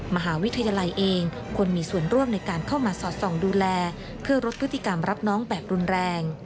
มหาวิทยาลัยเองควรมีส่วนร่วมในการเข้ามาสอดส่องดูแลเพื่อลดพฤติกรรมรับน้องแบบรุนแรง